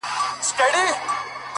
په زيارتونو تعويذونو باندې هم و نه سوه;